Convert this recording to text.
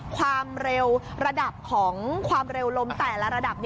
ความเร็วระดับของความเร็วลมแต่ละระดับ